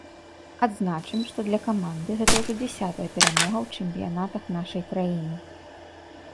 Адзначым, што для каманды гэта ўжо дзясятая перамога ў чэмпіянатах нашай краіны.